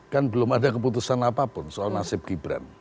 kan belum ada keputusan apapun soal nasib gibran